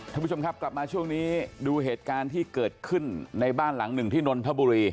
ท่านผู้ชมครับกลับมาช่วงนี้ดูเหตุการณ์ที่เกิดขึ้นในบ้านหลังหนึ่งที่นนทบุรี